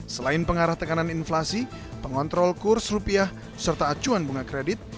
selain pengarah tekanan inflasi pengontrol kurs rupiah serta acuan bunga kredit